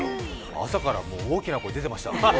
朝から大きな声が出ていましたよ。